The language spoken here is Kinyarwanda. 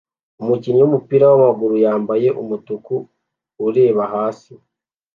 Umukinnyi wumupira wamaguru yambaye umutuku ureba hasi